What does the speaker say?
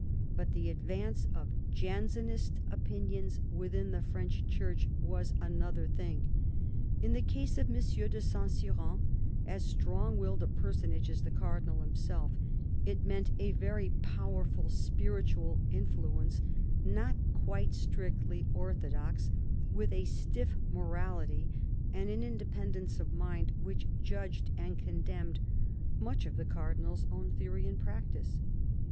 But the advance of Jansenist opinions within the French Church was another thing. In the case of M. de Saint Cyran, as strong willed a personage as the Cardinal himself, it meant a very powerful spiritual influence not quite strictly ortho dox, with a stiff morality and an independence of mind which judged and condemned much of the Cardinal's own theory and practice.